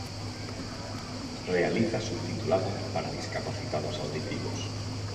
Realiza subtitulado para discapacitados auditivos.